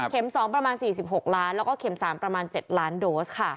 ๒ประมาณ๔๖ล้านแล้วก็เข็ม๓ประมาณ๗ล้านโดสค่ะ